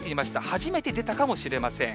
初めて出たかもしれません。